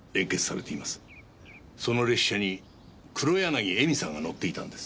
その列車に黒柳恵美さんが乗っていたんです。